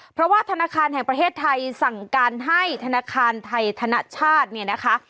เพราะว่าธนาคารแห่งประเทศไทยสั่งการให้ธนาคารไทยธนชาติเนี่ยนะคะ